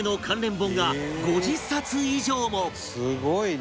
「すごいね」